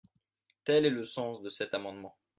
Tel est le sens de cet amendement.